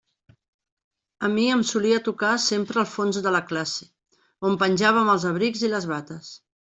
A mi em solia tocar sempre al fons de la classe, on penjàvem els abrics i les bates.